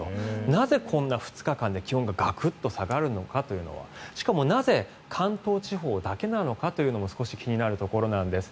なぜこんな２日間で気温がガクッと下がるのかしかも、なぜ関東地方だけなのかというのも少し気になるところなんです。